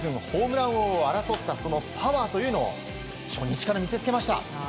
ホームラン王を争ったパワーというのを初日から見せつけました。